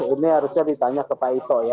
ini harusnya ditanya ke pak ito ya